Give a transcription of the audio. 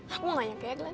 aku gak nyangka ya glenn